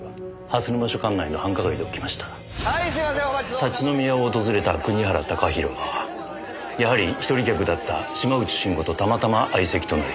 立ち飲み屋を訪れた国原貴弘はやはり一人客だった島内慎吾とたまたま相席となり。